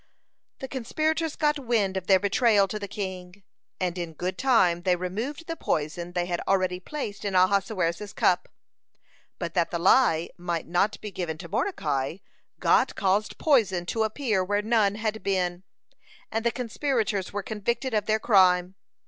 The conspirators got wind of their betrayal to the king, and in good time they removed the poison they had already placed in Ahasuerus's cup. But that the lie might not be given to Mordecai, God caused poison to appear where none had been, and the conspirators were convicted of their crime.